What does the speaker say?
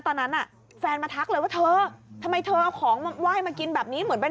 ตอนนั้นอ่ะแฟนมาทักเลยว่าเธอทำไมเธอเอาของมาไหว้มากินแบบนี้เหมือนเป็น